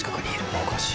おかしい